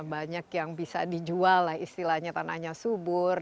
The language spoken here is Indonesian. banyak yang bisa dijual lah istilahnya tanahnya subur